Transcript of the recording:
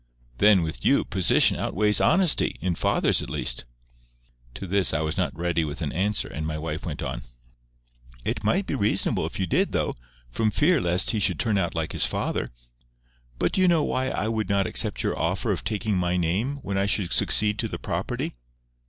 "Then, with you, position outweighs honesty—in fathers, at least." To this I was not ready with an answer, and my wife went on. "It might be reasonable if you did though, from fear lest he should turn out like his father.—But do you know why I would not accept your offer of taking my name when I should succeed to the property?"